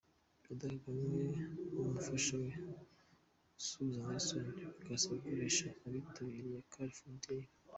Perezida Kagame n'umufasha we asuhuza Nelson Bukasa ukoresha abitabiriya Car Free Day.